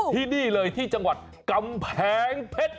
ที่นี่เลยที่จังหวัดกำแพงเพชร